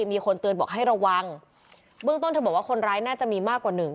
มีคนเตือนบอกให้ระวังเบื้องต้นเธอบอกว่าคนร้ายน่าจะมีมากกว่าหนึ่ง